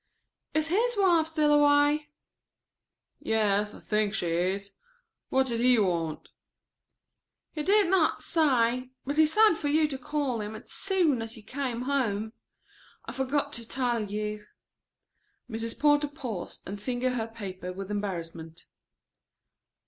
"Is his wife still away?" "Yes, I think she is. What did he want?" "He did not say, but he said for you to call him as soon as you came home. I forgot to tell you." Mrs. Porter paused and fingered her paper with embarrassment.